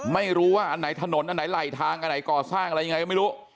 ไม่รู้ว่าอันไหนถนนอันไหนไหลทางอันไหนก่อสร้างอะไรยังไงก็ไม่รู้